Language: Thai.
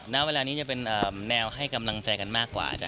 ณเวลานี้จะเป็นแนวให้กำลังใจกันมากกว่าอาจาร